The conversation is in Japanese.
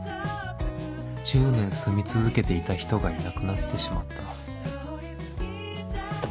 １０年すみ続けていた人がいなくなってしまった